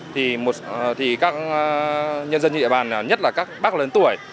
thì các nhân dân địa bàn nhất là các bác lớn tuổi